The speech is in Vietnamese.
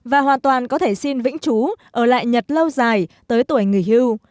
và hoàn toàn có thể xin vĩnh trú ở lại nhật lâu dài tới tuổi người hưu